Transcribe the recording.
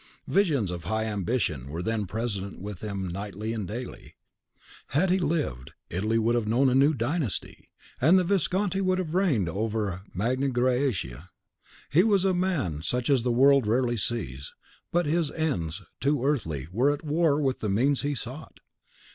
Visions of high ambition were then present with him nightly and daily. Had he lived, Italy would have known a new dynasty, and the Visconti would have reigned over Magna Graecia. He was a man such as the world rarely sees; but his ends, too earthly, were at war with the means he sought.